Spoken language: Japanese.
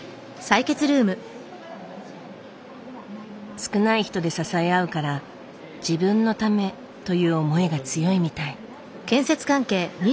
少ない人で支え合うから自分のためという思いが強いみたい。